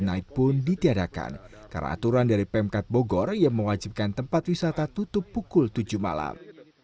night pun ditiadakan karena aturan dari pemkat bogor yang mewajibkan tempat wisata tutup pukul tujuh malam